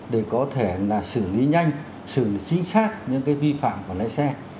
để có thể là xử lý nhanh xử lý chính xác những cái vi phạm của lái xe